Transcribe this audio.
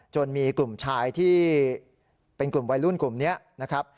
มีกลุ่มชายที่เป็นกลุ่มวัยรุ่นกลุ่มนี้นะครับ